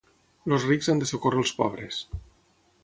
Els rics han de socórrer els pobres.